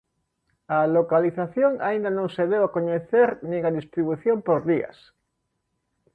A localización aínda non se deu a coñecer nin a distribución por días.